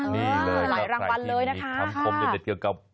นี่เลยแล้วใข้ทีมีคำคมโดยเด็ดเกี่ยวกับ